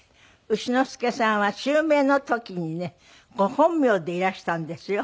丑之助さんは襲名の時にねご本名でいらしたんですよ。